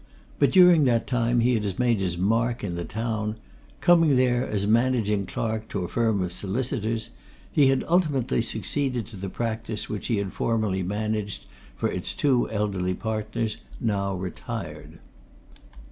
But during that time he had made his mark in the town coming there as managing clerk to a firm of solicitors, he had ultimately succeeded to the practice which he had formerly managed for its two elderly partners, now retired.